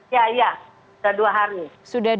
ya iya sudah dua hari